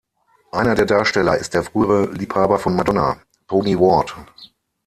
Einer der Darsteller ist der frühere Liebhaber von Madonna, Tony Ward.